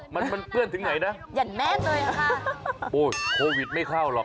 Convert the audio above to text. มันมันเปื้อนถึงไหนนะหยั่นแม่นเลยค่ะโอ้ยโควิดไม่เข้าหรอก